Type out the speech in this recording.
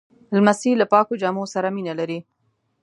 لمسی له پاکو جامو سره مینه لري.